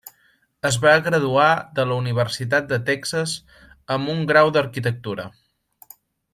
Es va graduar de la Universitat de Texas amb un grau d'arquitectura.